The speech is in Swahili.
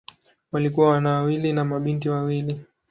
Walikuwa wana wawili na mabinti wawili.